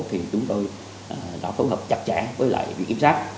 thì chúng tôi đã phối hợp chặt chẽ với lại việc kiểm soát